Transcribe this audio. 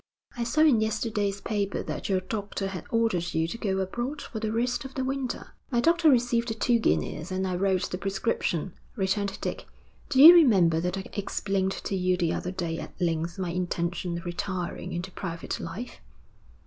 'I saw in yesterday's paper that your doctor had ordered you to go abroad for the rest of the winter.' 'My doctor received the two guineas, and I wrote the prescription,' returned Dick. 'Do you remember that I explained to you the other day at length my intention of retiring into private life?'